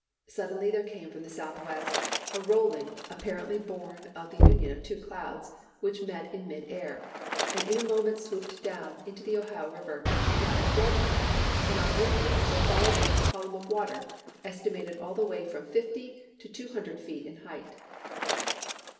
"Suddenly there came from the southwest a rolling, apparently born of the union of two clouds, which met in mid air, and in a moment swooped down into the Ohio river, now at flood tide, and on lifting, there followed it a column of water, estimated all the way from fifty to two hundred feet in height."